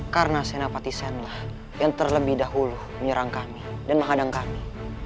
karena senopati senlah yang terlebih dahulu menyerang kami dan menghadang kami